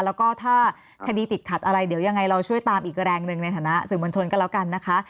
แล้วก็ถ้าคดีติดขัดอะไรเดี๋ยวยังไงเราช่วยตามอีกแรงหนึ่งในฐานะสื่อมวลชนก็แล้วกันนะคะ